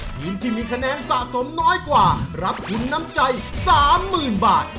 ทีมที่มีคะแนนสะสมน้อยกว่ารับคุณน้ำใจสามหมื่นบาท